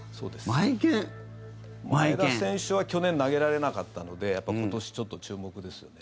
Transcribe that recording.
前田選手は去年投げられなかったので今年、ちょっと注目ですよね。